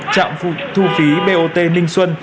trạm thu phí bot ninh xuân